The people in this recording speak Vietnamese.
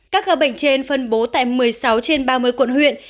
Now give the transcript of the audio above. các ca bệnh trên phân bố tại một mươi sáu trên ba mươi quận huyện